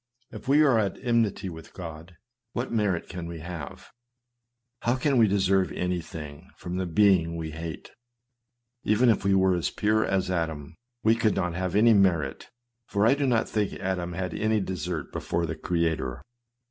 If we are at enmity with God, what merit can we have ? How can we deserve anything from the being we hate ? Even if we were pure as Adam, we could not have any merit ; for I do not think Adam had any desert before his Creator.